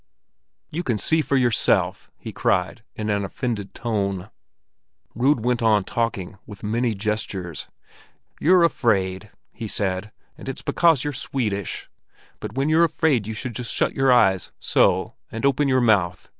"You can see for yourself!" he cried, in an offended tone. Rud went on talking, with many gestures. "You're afraid," he said, "and it's because you're Swedish. But when you're afraid, you should just shut your eyes—so—and open your mouth.